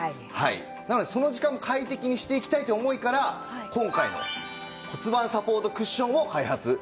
なのでその時間快適にしていきたいという思いから今回の骨盤サポートクッションを開発したんですね。